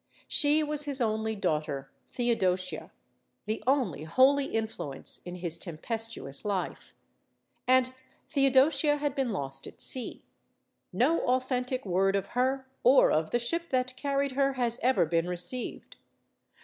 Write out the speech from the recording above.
She was his only daughter, Theodosia ; the only holy influence in his tempestuous life. And Theodosia had been lost at sea. No authentic word of her, or of the ship that carried her, has ever been received.